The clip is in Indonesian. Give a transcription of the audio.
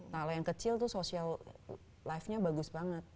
kalau yang kecil tuh social lifenya bagus banget